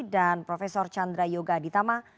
dan prof chandra yoga aditama